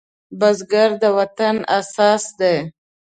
بزګر د وطن اساس دی